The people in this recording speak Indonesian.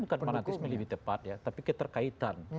bukan fanatisme lebih tepat ya tapi keterkaitan